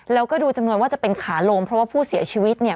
แล้วก็ดูจำนวนว่าจะเป็นขาลงเพราะว่าผู้เสียชีวิตเนี่ย